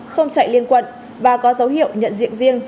không chạy liên quận và có dấu hiệu nhận diện riêng